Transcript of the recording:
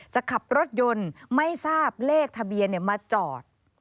ขับรถยนต์ไม่ทราบเลขทะเบียนมาจอด